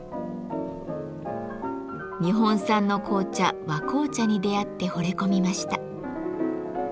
日本産の紅茶「和紅茶」に出会ってほれ込みました。